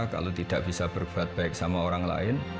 kalau tidak bisa berbuat baik sama orang lain